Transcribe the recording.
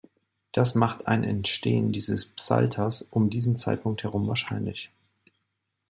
Das macht ein Entstehen dieses Psalters um diesen Zeitpunkt herum wahrscheinlich.